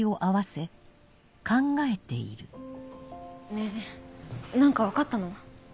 ねぇ何か分かったの？